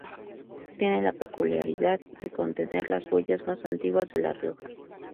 Tiene la peculiaridad de contener las huellas más antiguas de La Rioja.